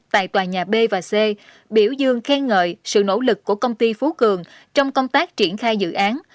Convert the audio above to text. tại tòa nhà b và c biểu dương khen ngợi sự nỗ lực của công ty phú cường trong công tác triển khai dự án